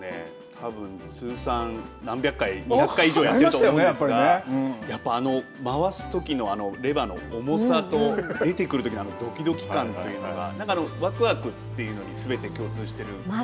たぶん通算、何百回、２００回以上やっていると思うんですがやっぱりあの回すときのあのレバーの重さと出てくるときのどきどき感というのがわくわくというのにすべて共通している。